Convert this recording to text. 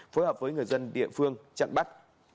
phối hợp với người dân địa phương chặn bắt